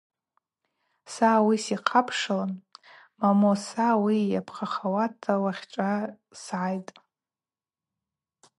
Са ауи сихъапшылын: Момо, са йапхъахауата уахьчӏва сгӏайтӏ.